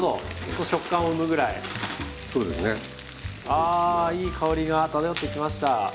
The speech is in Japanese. あいい香りが漂ってきました。